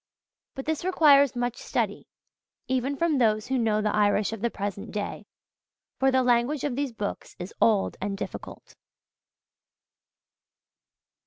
But this requires much study, even from those who know the Irish of the present day; for the language of these books is old and difficult.